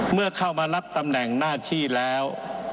เมื่อเข้ามารับตำแหน่งหน้าที่แล้ว